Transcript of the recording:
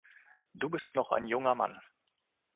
Du bist noch ein junger Mann.